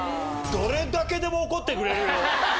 どれだけでも怒ってくれるよ。